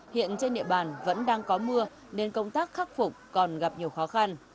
hiện trên địa bàn vẫn đang có mưa nên công tác khắc phục còn gặp nhiều khó khăn